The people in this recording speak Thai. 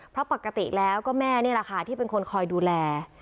เพราะปกติแล้วก็แม่นี่แหละค่ะที่เป็นคนคอยดูแล